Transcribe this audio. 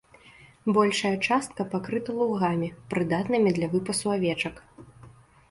Большая частка пакрыта лугамі, прыдатнымі для выпасу авечак.